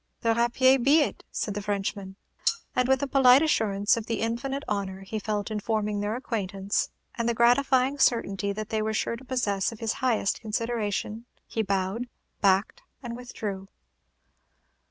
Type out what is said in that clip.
"The rapier be it," said the Frenchman; and with a polite assurance of the infinite honor he felt in forming their acquaintance, and the gratifying certainty that they were sure to possess of his highest consideration, he bowed, backed, and withdrew.